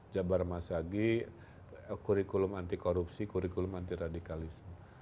jabar masyagi kurikulum anti korupsi kurikulum anti radikalisme